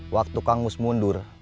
waktu kangus mundur